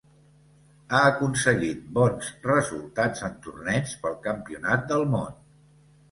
Ha aconseguit bons resultats en torneigs pel Campionat del món.